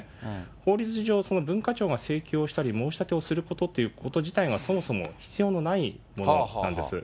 法律上、文化庁が請求をしたり申し立てをすることってこと自体がそもそも必要のないものなんです。